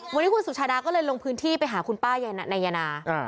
วันนี้คุณสุชาดาก็เลยลงพื้นที่ไปหาคุณป้านายนา